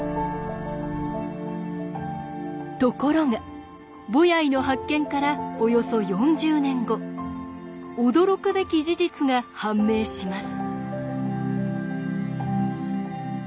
ところがボヤイの発見からおよそ４０年後驚くべき事実が判明します。